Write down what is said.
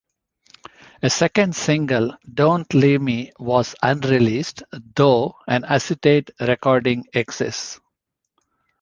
A second single, "Don't Leave Me," was unreleased, though an acetate recording exists.